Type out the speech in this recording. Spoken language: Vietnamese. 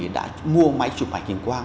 đã mua máy chụp hành hình quang